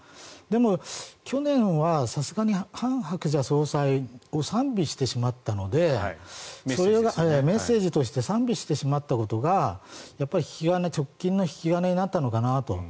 でも、去年はさすがにハン・ハクチャ総裁を賛美してしまったのでそれがメッセージとして賛美してしまったことが直近の引き金になったのかなと。